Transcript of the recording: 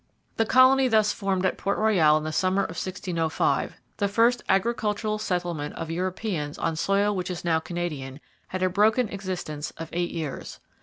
The colony thus formed at Port Royal in the summer of 1605 the first agricultural settlement of Europeans on soil which is now Canadian had a broken existence of eight years.